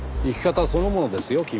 生き方そのものですよ